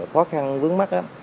khó khăn vướng mắt